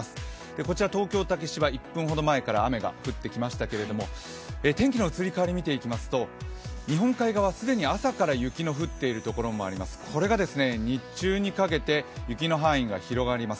こちら東京・竹芝、１分ほど前から雨が降ってきましたけれども天気の移り変わり、見ていきますと日本海側、既に朝から雪の降っているところもあります、これが日中にかけて雪の範囲が広がります。